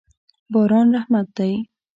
باران رحمت دی.